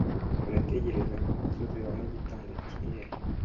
urategereza kumusozi wa mugitondo cyera,